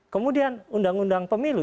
kemudian undang undang pemilih